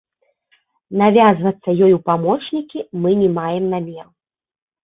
Навязвацца ёй у памочнікі мы не маем намеру.